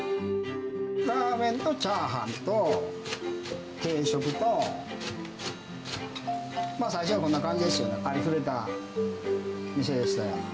ラーメンとチャーハンと、定食と、まあ、最初はこんな感じですよね、ありふれた店でしたよ。